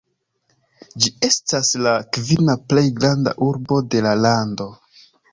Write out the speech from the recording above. Ĝi estas la kvina plej granda urbo de la lando.